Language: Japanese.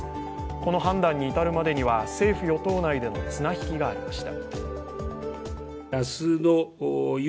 この判断に至るまでには政府・与党内での綱引きがありました。